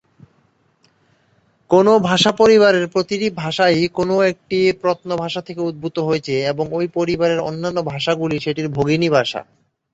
কোনও ভাষা পরিবারের প্রতিটি ভাষাই কোনও একটি প্রত্ন ভাষা থেকে উদ্ভূত হয়েছে এবং ঐ পরিবারের অন্যান্য ভাষাগুলি সেটির ভগিনী ভাষা।